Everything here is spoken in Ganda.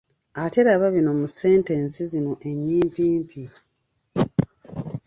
Ate laba bino mu sentensi zino ennyimpimpi.